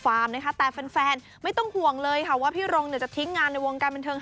นะคะแต่แฟนไม่ต้องห่วงเลยค่ะว่าพี่รงเนี่ยจะทิ้งงานในวงการบันเทิง